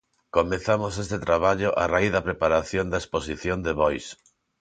Comezamos este traballo a raíz da preparación da exposición de Boix.